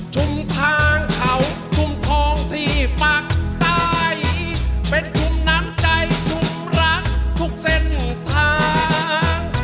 ชุมทางเขาชุ่มทองที่ปากใต้เป็นชุ่มน้ำใจชุ่มรักทุกเส้นทาง